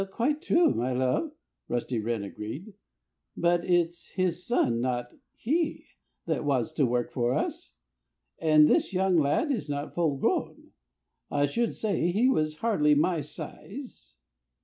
"Quite true, my love!" Rusty Wren agreed. "But it's his son not he that wants to work for us. And this young lad is not full grown. I should say he was hardly my size."